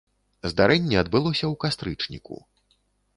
Здарэнне адбылося ў кастрычніку.